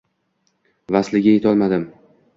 Vasliga yetolmadim.